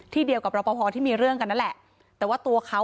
เดียวกับรอปภที่มีเรื่องกันนั่นแหละแต่ว่าตัวเขา